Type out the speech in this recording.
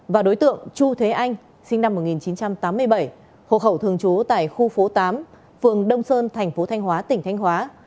và đối tượng chu thế anh sinh năm một nghìn chín trăm tám mươi bảy hộ khẩu thường trú tại khu phố tám phường đông sơn thành phố thanh hóa tỉnh thanh hóa